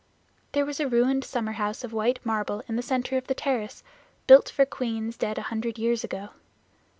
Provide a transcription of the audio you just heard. There was a ruined summer house of white marble in the center of the terrace, built for queens dead a hundred years ago.